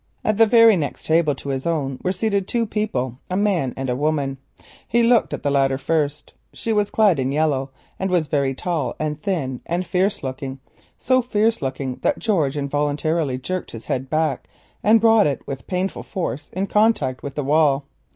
At the very next table to his own were seated two people, a man and a woman. He looked at the latter first. She was clad in yellow, and was very tall, thin and fierce looking; so fierce looking that George involuntarily jerked his head back, and brought it with painful force in contact with the wall.